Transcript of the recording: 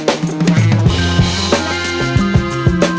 nggak ada yang denger